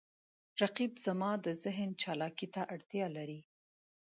رقیب زما د ذهن چالاکي ته اړتیا لري